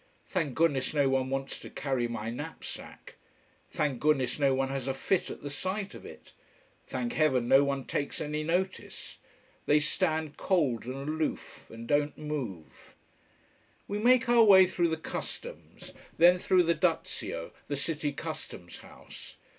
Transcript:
Thank Goodness no one wants to carry my knapsack. Thank Goodness no one has a fit at the sight of it. Thank Heaven no one takes any notice. They stand cold and aloof, and don't move. We make our way through the Customs: then through the Dazio, the City Customs house.